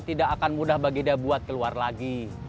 tidak akan mudah bagi dia buat keluar lagi